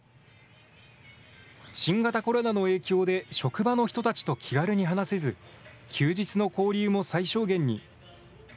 新型コロナの影響で職場の人たちと気軽に話せず、休日の交流も最小限に。